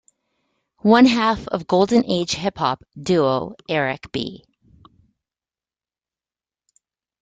One half of golden age hip hop duo Eric B.